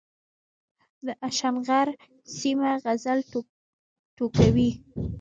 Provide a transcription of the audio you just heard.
د اشنغر سيمه غزل ټوکوي